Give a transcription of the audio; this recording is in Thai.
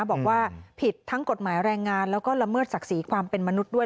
บอกว่าผิดทั้งกฎหมายแรงงานแล้วก็ละเมิดศักดิ์ศรีความเป็นมนุษย์ด้วย